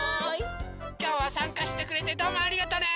きょうはさんかしてくれてどうもありがとね。